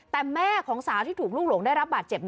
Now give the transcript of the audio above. แต่แม่ของสาวที่ถูกลูกหลงได้รับบาดเจ็บ